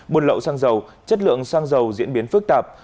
buôn lậu xăng dầu chất lượng xăng dầu diễn biến phức tạp